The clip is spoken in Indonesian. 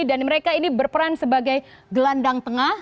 dan mereka ini berperan sebagai gelandang tengah